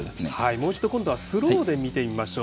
もう一度今度はスローで見てみましょう。